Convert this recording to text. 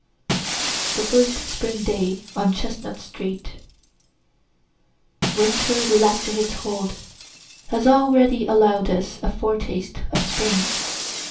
THE FIRST SPRING DAY ON CHESTNUT STREET Winter relaxing its hold, has already allow'd us a foretaste of spring.